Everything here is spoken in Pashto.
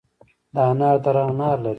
د انار دره انار لري